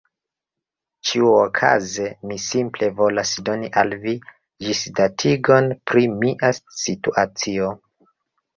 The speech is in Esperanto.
Ĉiuokaze, mi simple volas doni al vi ĝisdatigon pri mia situacio.